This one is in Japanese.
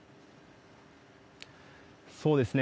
そうですね。